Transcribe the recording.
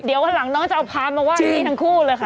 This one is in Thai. เดี๋ยววันหลังน้องจะเอาพานมาไหว้พี่ทั้งคู่เลยค่ะ